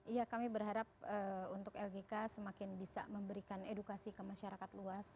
iya kami berharap untuk lgk semakin bisa memberikan edukasi ke masyarakat luas